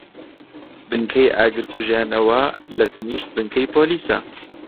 بنکەی ئاگرکوژێنەوە لەتەنیشت بنکەی پۆلیسە.